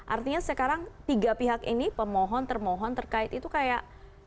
artinya sekarang tiga pihak ini pemohon termohon terkait itu kayak